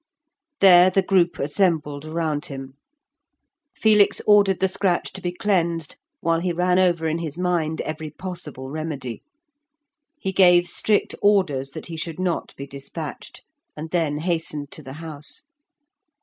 There the group assembled around him. Felix ordered the scratch to be cleansed, while he ran over in his mind every possible remedy. He gave strict orders that he should not be despatched, and then hastened to the house.